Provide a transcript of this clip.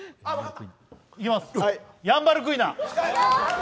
いきます、ヤンバルクイナ。